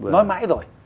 nói mãi rồi